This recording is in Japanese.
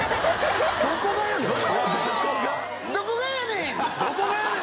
どこがやねん！